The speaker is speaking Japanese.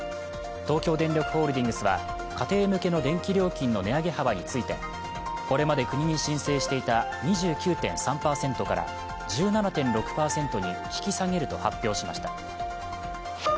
東京電力ホールディングスは、家庭向けの電気料金の値上げ幅について、これまで国に申請していた２９．３％から１７．６％に引き下げると発表しました。